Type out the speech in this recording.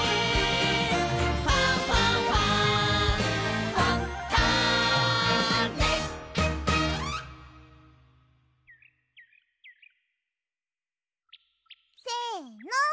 「ファンファンファン」せの！